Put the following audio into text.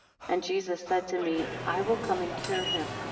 35 And Jesus said to me, I will come and cure him.